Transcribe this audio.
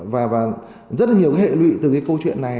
và rất là nhiều cái hệ lụy từ cái câu chuyện này